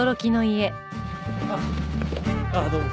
あっああどうも。